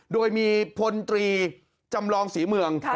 โดยมีพลตรีจำลองศรีเมือง